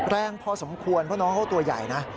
แรงพอสมควรเพราะน้องเขาตัวใหญ่นะ